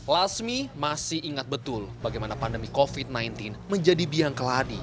lasmi masih ingat betul bagaimana pandemi covid sembilan belas menjadi biang keladi